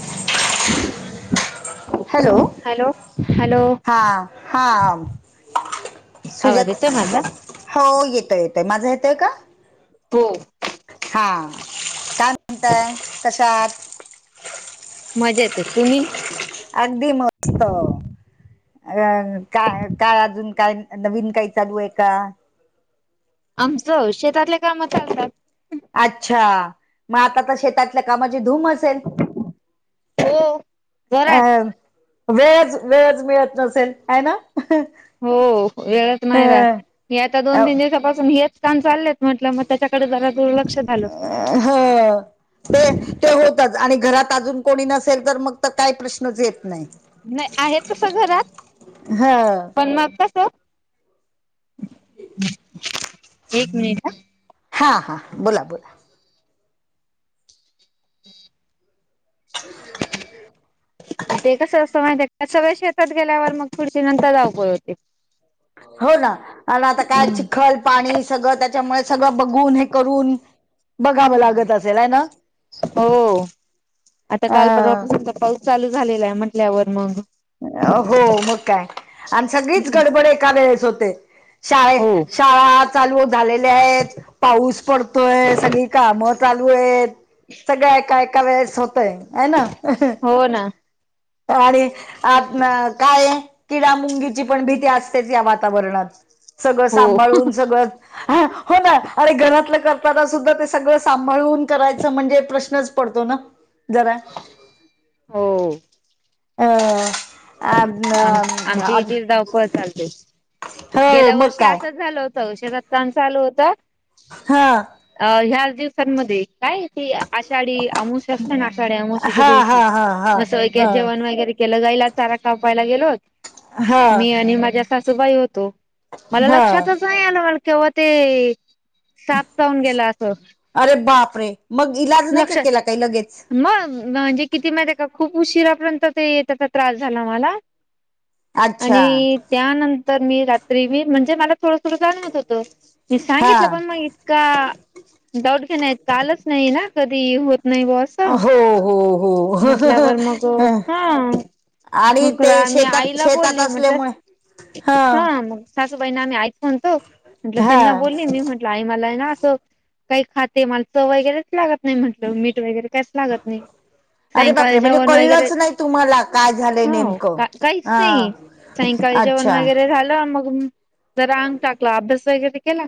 [inaudible] Hello hello. Hello हा हा आवाज सुजात येतोय माझा? हो येतय येतय. माझं येतोय का? हो. हा काय म्हणताय कशा आहात? मजेत ए तुम्ही? अगदी मस्त अ का- काय काय अजून? काय नवीन काय चालू आय का? आमचं शेतातले काम चालतात. अच्छा! म आता तर शेतातल्या कामाची धूमच सेल? हो. जोरात वेळच वेळच मिळत नसेल‌ हाय ना? हो वेळच नाय राहत अं, हे आता दोन तीन अं, दिवसापासून हेच काम चाललेत म्हटलं म त्याच्याकडे जरा दुर्लक्ष झालं. [unintelligible] ते ते होतच आणि घरात अजून कोणी नसेल तर मग तर काय प्रश्नच येत नाय. नाय आहेत तस घरात ह पण मग कस एक मिनिट अ. हां हां बोला बोला. ते कसं असतं माहित त्यात सगळे शेतात गेल्यावर मग थूडीशी नंतर धावपळ होते. हो ना अन् आता काय चिखल पाणी सगळं त्याच्यामुळे सगळं बघून हे करून बघावं लागत असेल आहे ना हम्म हो आता काल अं, परवापसूनंत पाऊस चालू झालेला हाय म्हटल्यावर मग हो मग काय आणि सगळीच गडबड एका वेळेस होते शाळे हो शाळा चालू झालेल्या हायेत पाऊस पडतोय सगळी काम चालू एत. सगळ्या एका एका वेळेस होतय हाय ना. हो ना. आणि आतन काय किडा मुंगीची पण भीती असतेच या वातावरणात सगळं हो. सांभाळून सगळं हो ना अरे घरातलं कर ताना सुद्धा ते सगळं सांभाळून करायचं म्हणजे प्रश्नच पडतो ना जरा. हो. अ अन् आज पळ चालतय गेल्या मग वर्षी काय असंच झालं होत शेतात काम चालू होत. हा. अ ह्याच दिवसांमध्ये काय ती आषाढी अमूशा असत्या ना आशाडी अमूशीच्या हा हा दिवशी हा हा मसं हा जेवण वगैरे गेलं गाईला, चारा कावायला गेलोत, हा मी आणि माझ्या सासूबाई होतो. मला हा लक्षातच नाही, आलं मला केव्हा ते साफ चाऊन गेलं असं. अरे बाप रे.. ! मग इलाज नाही का लक्षात केला काही लगेच. मग म्हणजे किती माहिती आहे. का खूप उशिरापर्यंत ते येतचा त्रास झाला मला. अच्छा आणि त्यानंतर मी, रात्री मी म्हणजे मला थोडं-थोडं जाणवत होत. म हा सांगितलं पण मग. का डाऊट घेण आहेत. कालच नाही ना, कधी होत नाही बस. अ, हो हो म्हंटल्यावर मग, हो हा. आणि मग ते खरं मी शेतात आईला शेतात बोलली म्हटल. असल्यामुळे हा, मग सासूबाईना आम्ही आईच म्हणतो, म्हटलं हा त्यांना बोलली मी म्हण आई मला आहे ना असं, काही खाते, माल चंव वगैरेच लागत नाही म्हटलं, मीठ वगैरे. कायच लागत नाही. अरे सायंकाळ बापरे म्हणजे जेवण वगैरे, कळलंच नाही तुम्हाला काय झालंय हो, नेमकं का-काहीच हा नाही. सायंकाळी जेवण अच्छा वगैरे झालं मग जरा अंग टाकला, अभ्यास वगैरे केला.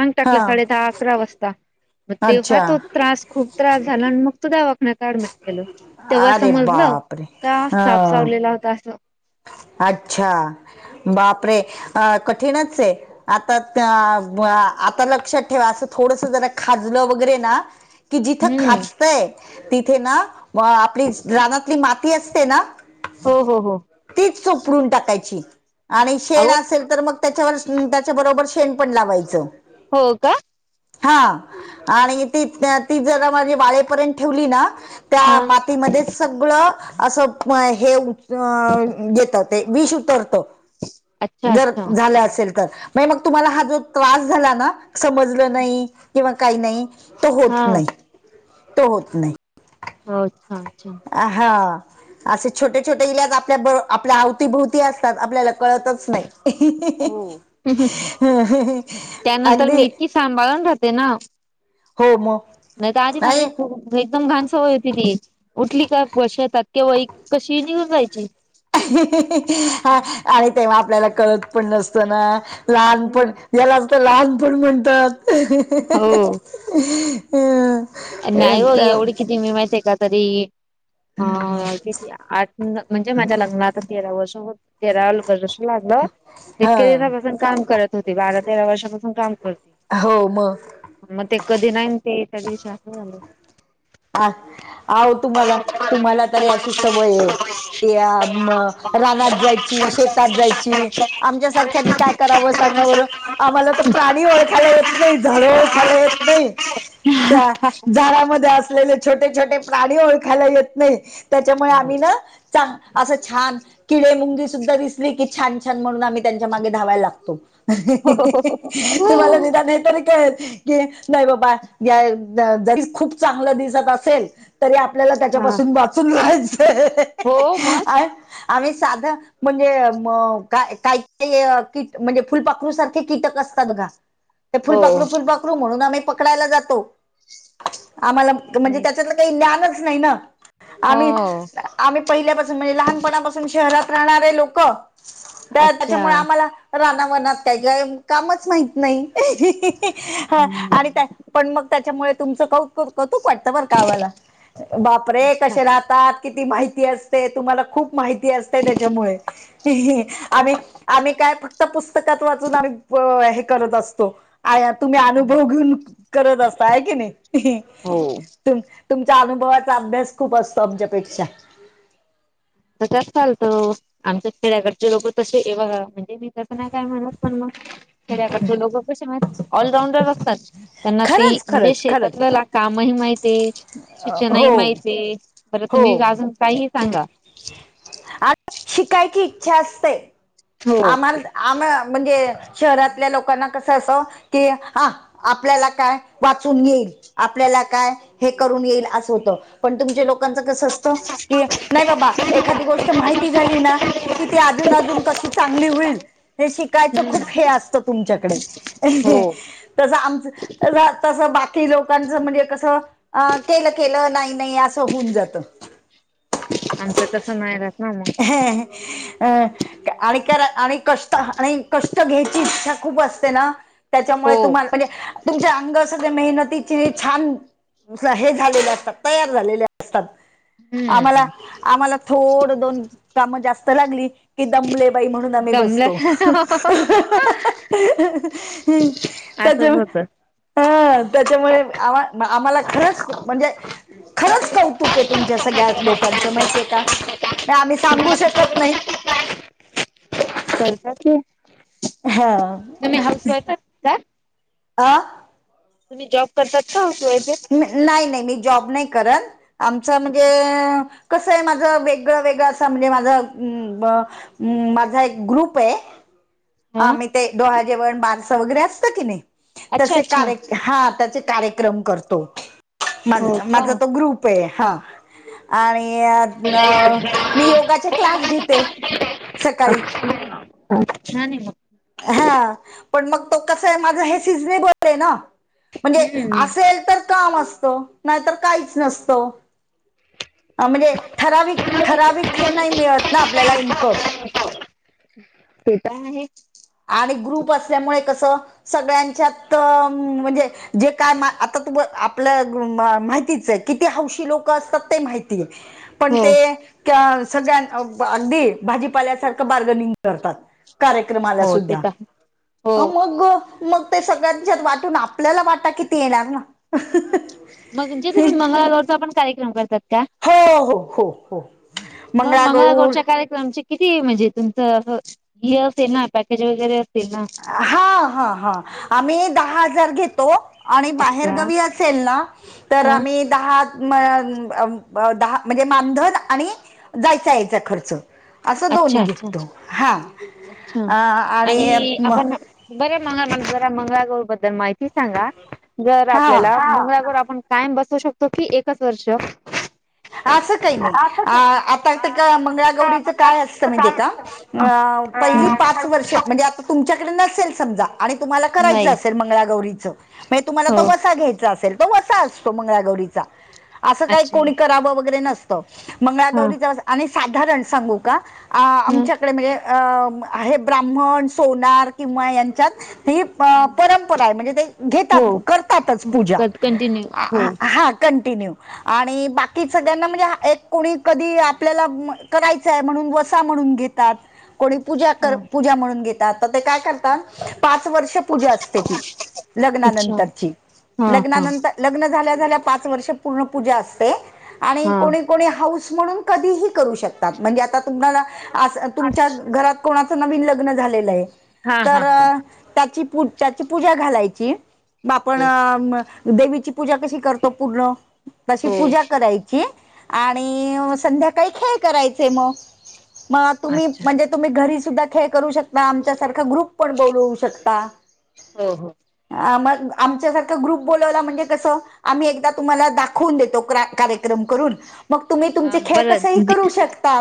अंग हा टाकलं साडे दहा, अकरा वाजता, मग तेव्हा अच्छा तो त्रास खूप त्रास झाला, आणि मग दवाखण्या अऍडमिट केलं, तेव्हा अरे समजलं बापरे का हा साफ चावलेला होता असं. अच्छा. बापरे, कठीणच आहे, आता-आता लक्षात अस थोड ज खाज वगैरे की जिथं हम्म खा तय तिथे ना आपली रानातली माती असते ना हो-हो-हो तीच चोपडून टाकायची, आणि शेण अहो असेल तर मग त्याच्यावर, त्याच्याबरोबर शेण पण लावायचं. हो का. हा आणि ती-ती जरा माझी बाळेपर्यंत ठेवली ना त्या हा मातीमध्येच सगळं असं, हे अ घेत ते विष उतरत, अच्छा जर अच्छा झालं असेल तर. नाही मग तुम्हाला हा जो त्रास झाला ना, समजलं नाही किंवा काही नाही तो होत हा नाही, तो होत नाही. अच्छा-अच्छा हा, असे छोटे-छोटे इलाज आपल्या ब आपल्या आवती-भोवती असतात, आपल्याला कळतच नाही, ही-ही-ही हो. त्यानंतर मी अगदी. इतकी सांभाळून राहते ना. हो मग. नाही तर, आधी माझे खू एकदम घान सावय होती ती, उठली का शेतात केव्हा एक कशी निघून जायची. हा आणि तेव्हा आपल्याला कळत पण नसत ना, लहान पण हम्म. यालाच तर लहानपण म्हणतात. हो अ नाही हो, एकदम एवढी किती मी माहित आहे का? तरी अ किती आठ म्हणजे माझ्या लग्नात. तेरा वर्ष होत, तेरा वर्षी वाढलं, मी हा तेरा पासून काम करत होती, बारा, तेरा वर्षापासून काम करती. हो म. मग ते कधी नाही ते, त्या दिवशी अस झालं. आ आहो तुम्हाला, तुम्हाला तरी अशी सवय आहे. या म रानात जायची शेतात जायची. आमच्या सारख्यांनी काय करावं सांगा बरं. आम्हाला तर प्राणी ओळखायला येत नाही झाडं ओळखायला येत नाही. त्या झाडामध्ये असलेले छोटे छोटे प्राणी ओळखायला येत नाही. त्याच्यामुळे आम्ही नाही. ना चां असं छान किडे, मुंगी सुद्धा दिसली की छान छान म्हणून आम्ही त्यांच्या मागे धावायला लागतो. तुम्हाला निदान हे तरी कळेल. की नाही बाबा या जरी खूप चांगलं दिसत असेल तरी आपल्याला हा त्याच्यापासून वाचून राहायचं हे हो मग अहहह आम्ही साधं म्हणजे म काय काय काही कीट म्हणजे फुलपाखरू सारखे कीटक असतात बघा ते हो फुलपाखरू फुलपाखरू म्हणून आम्ही पकडायला जातो. आम्हाला म्हणजे नाही त्याच्यातलं काही ज्ञानच नाही ना हो आम्ही आम्ही पहिल्यापासून म्हणजे लहानपणापासून शहरात राहणारे लोक त्या अच्छा. त्याच्यामुळे आम्हाला राना वनात काय गं कामच माहीत नाही. इहिहिही आणि त्या हम्म पण मग त्याच्यामुळे तुमचं कौतुक वाटतं बर का बापरे कसे राहात तात किती माहिती असते तुम्हाला खूप माहिती असते त्याच्यामुळे इहिहि आम्ही आम्ही काय फक्त पुस्तकात वाचून आम्ही हे करत असतो. आया तुम्ही अनुभव घेऊन करत असता आहे की नाही इहि हो. तु तुमच्या अनुभवाचा अभ्यास खूप असतो आमच्यापेक्षा त्यात चालतो आमच्या खेड्याकडचे लोक तसे ए बघा म्हणजे मी तर नाही काय म्हणत पण मग खेड्या करचे लोकं कसे माहित ऑलराऊंडर असतात. त्यांना ते खरंच म्हणजे खरंच खरंच शेतात कामही माहिती शिक्षण ही हो माहिती हे परत तुम्ही अजून काही ही सांगा आत शिकायची इच्छा असते हो आम्हाला आम म्हणजे शहरातल्या लोकांना कसं असावं की हा आपल्याला काय वाचून येईल. आपल्याला काय हे करून येईल असं होतं पण तुमच्या लोकांचं कसं अस त कि नाही बाबा एखादी गोष्ट माहिती झाली ना की ती अजून अजून कशी चांगली होईल हे शिकायच खूप हे असतं तुमच्याकडे हो अहही तसं आमच. तस तसं बाकी लोकांचं म्हणजे कसं. अ केलं केलं नाही नाही असं होऊन जात. आमचं तसं नाही राहत. ना मग एहे हे अ आणि कर आणि कष्ट आणि कष्ट घ्यायची इच्छा खूप असते ना. हो त्याच्यामुळे तुम्हाला म्हणजे तुमच्या अंगस मेहनतीची छान हे झालेले असतात, तयार झालेले असतात. आम्हाला हम्म आम्हाला थोड दोन काम जास्त लागली. कि दमलेबाई म्हणून आम्ही दमल्या बसतो त्याच्या असंच होतं. ह. त्याच्यामुळे आमा आम्हाला खरंच म्हणजे खरंच कौ तुक हे तुमच्या सगळ्याच लोकांच माहितीय हे का. म आम्ही सांगू शकत नाही. करतात की. हा. वाईफ आहेत का? आ. तुम्ही जॉ करतात का [unintelligible] नाही, नाही मी जॉब नाही करत आमच म्हणजे कसं आहे माझं वेगळं, वेगळं असं म्हणजे माझं अं ब माझा एक ग्रुप आहे हा आम्ही ते डोहाळ जेवण बारसं वगैरे असतं की नाही अच्छा तसे अच्छा कार हा तसे कार्यक्रम करतो मा हो का. माझा तो ग्रुप पे हा आणि अं मी योगाचे क्लास घेते सकाळी हो छान ये हा पण मग तो कसा आहे माझं हे सिझनेबल आहे ना म्हणजे हम्म असेल तर काम असतं नाहीतर काहीच नसतं म्हणजे ठराविक ठराविक हे नाही मिळत ना आपल्याला इनक पेटा आहे आणि ग्रुप असल्यामुळे कसं सगळ्यांच्यात म्हणजे जे काय म आता तु आपल मा माहितीच आहे किती हौशी लोक असतात ते माहितीय पण हो ते त्या सगळ्यां अंम अगदी भाजीपाल्यासारखं बार्गनिंग करतात कार्यक्रमाला हो ते सुद्धा तर हो अम मग ग मग ते सगळ्यांच्यात वाटून आपल्याला वाटा किती येणार ना मग जे तुम्ही मंगळागौरचा पण कार्यक्रम करतात का हो हो हो हो मग मंगळागौर मंगळागोरच्या कार्य आमचे किती म्हणजे तुमचं हे असेल ना पॅकेज वगैरे असेल ना हा, हा, हा आम्ही दहा हजार घेतो आणि बाहेर अच्छा गावी असेल ना तर ह आम्ही दहा म दहा म्हणजे मानधन आणि जायचा यायचा खर्च असं दोन्ही अच्छा अच्छा घेतो हा अ अच्छा आणि म, आपण बर मंग जरा मंगळागौर बद्दल माहिती सांगा जर हा आपल्याला मंगळागौर आपण कायम बसवू शकतो कि एकच वर्ष असं काही नाही आ आता तर का मंगळागौरीचं काय असतं मीहिते का अ पहिली पाच वर्ष म्हण म्हणजे आता तुमच्याकडे नसेल समजा आणि तुम्हाला करायचं नाही असेल मंगळागौरीच म्हणजे तुम्हाला हो तो वसा घ्यायचा असेल तो वसा असतो मंगळागौरीचा असं काही अच्छा कोणी कराव वगैरे नसत हा मंगळागौरिचा आणि साधारन सांगू का अं हा आमच्यात ळे म्हणजे अ आहे ब्राम्हण, सोनार किंवा यांच्यात ही प परंपरा आहे म्हणजे ते हो घेतात करतातच पूजा कंटिन्यू हो हा कंटिन्यू आणि बा की सगळ्यांना म्हणजे एक कोणी कधी आपल्याला करायचंय म्हणून वसा म्हणून घेतात कोणी पूजा कर हा पूजा म्हणून घेतात तर ते काय करतात पाच वर्ष पूजा असते ती अच्छा लग्नानंतरची हा हा लग्नानंतर लग्न झाल्या झाल्या पाच वर्ष पूर्ण पूजा असते आणि हा कोणी कोणी हौस म्हणून कधीही करू शकतात म्हणजे आता तुम्हाला तुमच्या घरात कोणाच नवीन लग्न झालेलं आहे हा हा तर हा त्याची, त्याची पूजा घालायची म आपण हो हो देवीची पूजा कशी करतो पूर्ण तशी पूजा द्यायची आणि संध्याकाळी खेळ करायचे मग मग तुम्ही अच्छा म्हणजे तुम्ही घरी सुद्धा खेळ करू शकता आमच्यासारखा ग्रुप पण बोलवू शकता. हो हो मग आमच्यासारखा ग्रुप बोलावला म्हणजे कसं आम्ही एकदा तुम्हाला दाखवून देतो क्रा कार्यक्रम करून मग तुम्ही तुमचे हा खेळ बरं कसेही दे- करू शकता.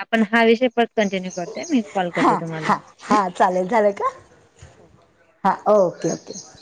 आपण हा विषय परत कंटिन्यू करते मी कॉल करते तुम्हाला. हा चालेल झालं का हां ओके ओके.